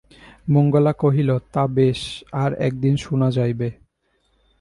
মঙ্গলা কহিল, তা বেশ, আর-একদিন শুনা যাইবে।